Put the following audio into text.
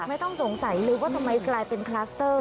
ไม่ต้องสงสัยเลยว่าทำไมกลายเป็นคลัสเตอร์